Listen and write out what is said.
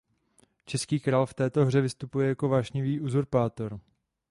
Český král v této hře vystupuje jako vášnivý uzurpátor.